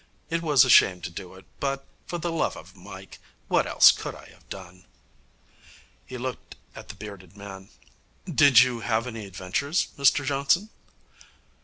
It was a shame to do it, but, for the love of Mike, what else could I have done?' He looked at the bearded man. 'Did you have any adventures, Mr Johnson?'